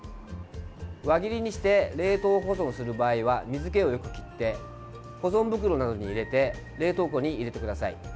輪切りにして冷凍保存する場合は水けをよく切って保存袋などに入れて冷凍庫に入れてください。